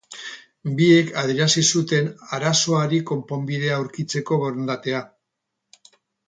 Biek adierazi zuten arazoari konponbidea aurkitzeko borondatea.